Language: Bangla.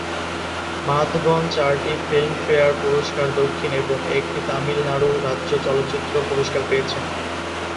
মাধবন চারটি ফিল্মফেয়ার পুরস্কার দক্ষিণ এবং একটি 'তামিলনাড়ু রাজ্য চলচ্চিত্র পুরস্কার' পেয়েছেন।